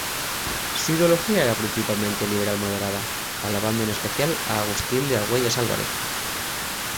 Su ideología era principalmente liberal moderada, alabando en especial a Agustín de Argüelles Álvarez.